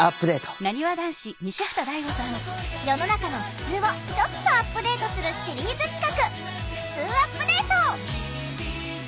世の中のふつうをちょっとアップデートするシリーズ企画「ふつうアップデート」。